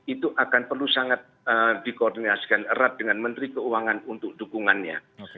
itu akan perlu sangat dikoordinasikan erat dengan menteri keuangan untuk dukungannya